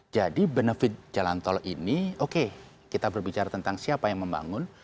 jadi benefit jalan tol ini oke kita berbicara tentang siapa yang membangun